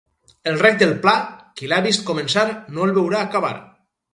El rec del Pla, qui l'ha vist començar, no el veurà acabar.